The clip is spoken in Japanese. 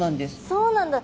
そうなんだ。